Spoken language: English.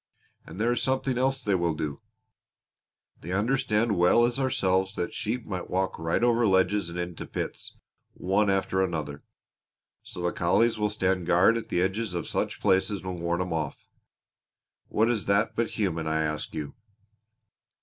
And there is something else they will do: they understand well as ourselves that sheep will walk right over ledges and into pits, one after another; so the collies will stand guard at the edges of such places and warn 'em off. What is that but human, I ask you?"